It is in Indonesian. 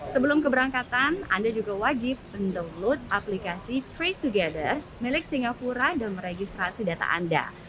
sebelum keberangkatan anda juga wajib mendownload aplikasi trace togethers milik singapura dan meregistrasi data anda